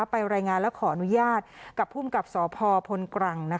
ไปรายงานและขออนุญาตกับภูมิกับสพพลกรัง